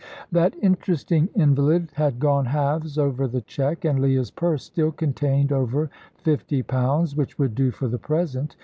That interesting invalid had gone halves over the cheque, and Leah's purse still contained over fifty pounds, which would do for the present.